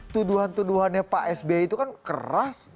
tuduhan tuduhannya pak s b itu kan keras